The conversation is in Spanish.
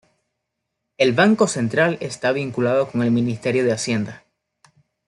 El Banco Central está vinculado con el Ministerio de Hacienda.